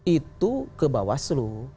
itu ke bawaslu